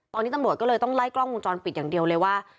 ตอนนี้ตำรวจก็เลยต้องไล่กล้องวงจรปิดอย่างเดียวเลยว่า